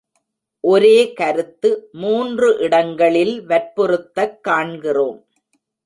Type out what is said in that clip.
ஒரே கருத்து மூன்று இடங்களில் வற்புறுத்தக் காண்கிறோம்.